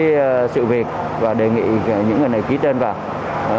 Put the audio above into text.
cái sự việc và đề nghị những người này ký tên vào